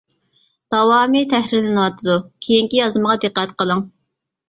-داۋامى تەھرىرلىنىۋاتىدۇ. كېيىنكى يازمىغا دىققەت قىلىڭ!